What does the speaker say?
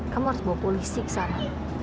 kamu harus bawa polisi ke sana